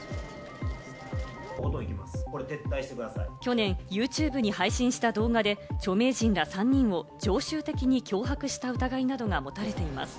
去年ユーチューブに配信した動画で、著名人ら３人を常習的に脅迫した疑いなどが持たれています。